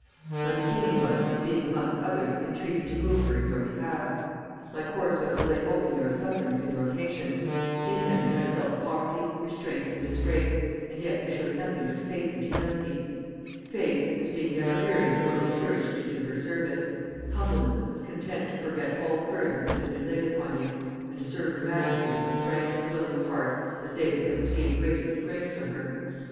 My beginning was, as being amongst others entreated to move her in your behalf; my course was, to lay open your sufferings and your patience; in them you had felt poverty, restraint and disgrace, and yet you showed nothing but faith and humility; faith, as being never wearied nor discouraged to do her service, humbleness, as content to forget all the burdens that had been laid upon you, and to serve her majesty with as frank and willing a heart as they that have received greatest grace from her.